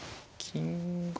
金が。